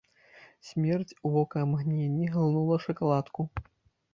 Смерць у вокамгненне глынула шакаладку.